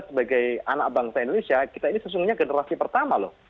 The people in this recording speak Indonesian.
sebagai anak bangsa indonesia kita ini sesungguhnya generasi pertama loh